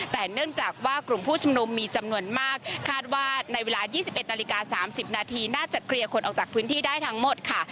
แต่เนื่องจากว่ากลุ่มผู้ชุมนุมมีจำนวนมากคาดว่าในเวลา๒๑นาฬิกา๓๐นาทีน่าจะเคลียร์คนออกจากพื้นที่ได้ทั้งหมดค่ะ